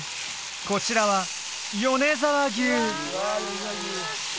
こちらは米沢牛